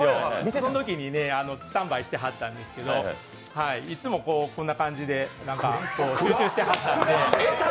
そのときにスタンバイしてはったんですけど、いっつもこんな感じで、集中してはったんで。